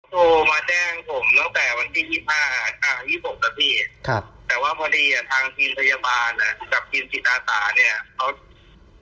แต่ว่าพอดีทางทีมพยาบาลกับทีมศิษย์อาสารเนี่ย